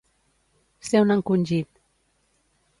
Ser un encongit.